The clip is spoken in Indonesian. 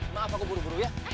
maaf aku buru buru ya